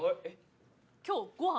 今日ご飯？